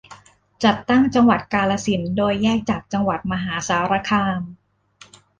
จัดตั้งจังหวัดกาฬสินธุ์ โดยแยกจากจังหวัดมหาสารคาม